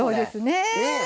ねえ。